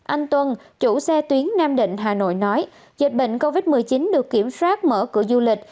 anh tuân chủ xe tuyến nam định hà nội nói dịch bệnh covid một mươi chín được kiểm soát mở cửa du lịch